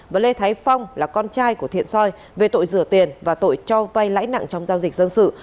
và lê thái phong là con trai của thiện soi về tội rửa tiền và tội cho vay lãi nặng trong giao dịch dân sự